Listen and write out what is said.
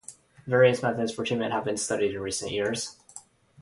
Various methods for its treatment have been studied in recent years.